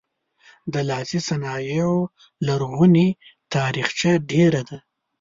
د لاسي صنایعو لرغونې تاریخچه ډیره ده.